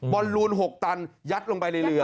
อลลูน๖ตันยัดลงไปในเรือ